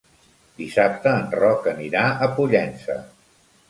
Dissabte en Roc anirà a Pollença.